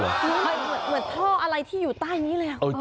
เหมือนท่ออะไรที่อยู่ใต้นี้เลย